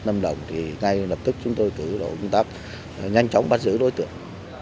năm đồng thì ngay lập tức chúng tôi tự đổ công tác nhanh chóng bắt giữ đối tượng